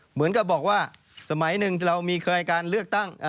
เหมือนกับบอกว่าสมัยหนึ่งเรามีเคยการเลือกตั้ง